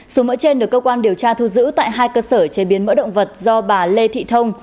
số mỡ trên được cơ quan điều tra thu giữ tại hai cơ sở chế biến mỡ động vật do bà lê thị thông